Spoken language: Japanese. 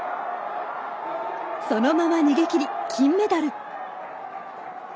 そのまま逃げ切り金メダル。